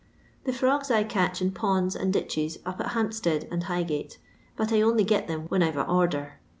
The frogs I catch in ponds and ditches np at Hampstead and Highgate, but I only get them when I 're a order.